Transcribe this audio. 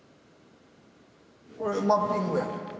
これマッピングやねん。